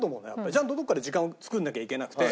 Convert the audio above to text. ちゃんとどこかで時間を作らなきゃいけなくて。